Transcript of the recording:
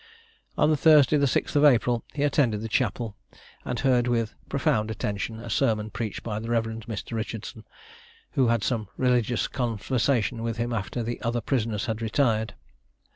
On Thursday, the 6th of April, he attended the chapel, and heard with profound attention, a sermon preached by the Rev. Mr. Richardson, who had some religious conversation with him after the other prisoners had retired.